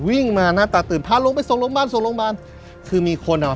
วิ่งมาหน้าตาตื่นพาลงไปส่งลงบ้านส่งลงบ้านคือมีคนอะ